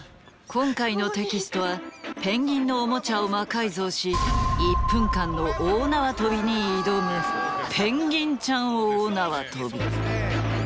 今回のテキストはペンギンのオモチャを魔改造し１分間の大縄跳びに挑むペンギンちゃん大縄跳び。